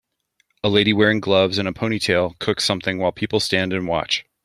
A lady wearing gloves, and a ponytail cooks something while people stand and watch.